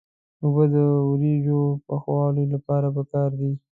اوبه د وریجو پخولو لپاره پکار دي.